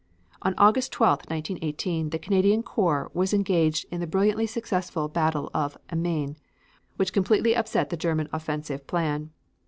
On August 12, 1918, the Canadian corps was engaged in the brilliantly successful battle of Amiens, which completely upset the German offensive plan.